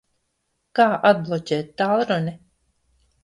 Kā atbloķēt tālruni?